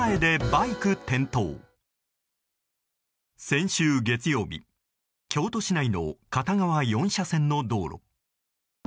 先週月曜日京都市内の片側４車線の道路。